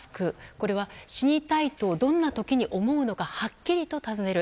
これは死にたいとどんな時に思うのかはっきり尋ねる。